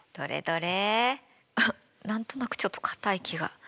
あっ何となくちょっとかたい気が。